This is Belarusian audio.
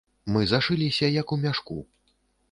Мы зашыліся, як у мяшку.